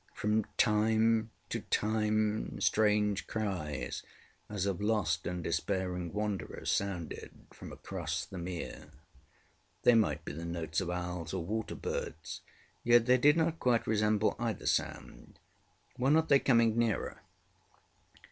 From time to time strange cries as of lost and despairing wanderers sounded from across the mere. They might be the notes of owls or water birds, yet they did not quite resemble either sound. Were not they coming nearer?